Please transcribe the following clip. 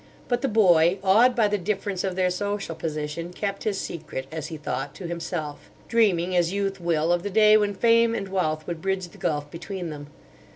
But the boy, awed by the difference of their social position, kept his secret, as he thought, to himself; dreaming, as youth will, of the day when fame and wealth would bridge the gulf between them.